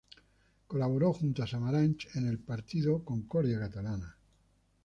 Colaboró junto a Samaranch en el partido Concordia Catalana.